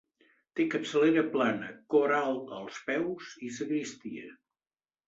Té capçalera plana, cor alt als peus i sagristia.